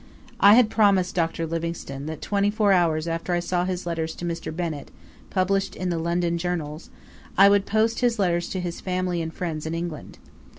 I had promised Dr. Livingstone, that twenty four hours after I saw his letters to Mr. Bennett published in the London journals, I would post his letters to his family and friends in England.